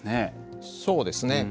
そうですね。